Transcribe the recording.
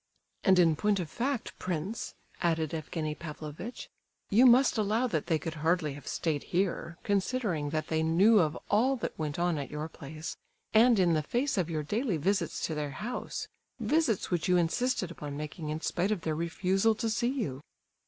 "And in point of fact, prince," added Evgenie Pavlovitch, "you must allow that they could hardly have stayed here, considering that they knew of all that went on at your place, and in the face of your daily visits to their house, visits which you insisted upon making in spite of their refusal to see you."